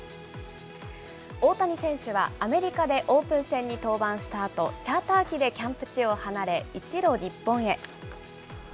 大谷選手は、アメリカでオープン戦に登板したあと、チャーター機でキャンプ地を離れ、一路、日本へ。